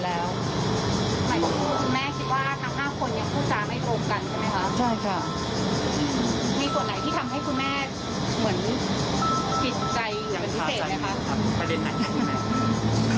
แล้วก็ไม่พบ